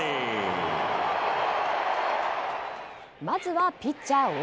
まずはピッチャー